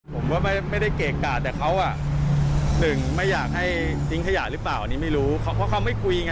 ผมก็ไม่ได้เกะกะแต่เขาอ่ะหนึ่งไม่อยากให้ทิ้งขยะหรือเปล่าอันนี้ไม่รู้เพราะเขาไม่คุยไง